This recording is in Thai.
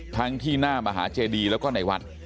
ทั้งที่หน้ามหาเจดีแล้วก็ในวัด